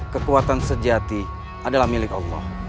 kekuatan sejati adalah milik allah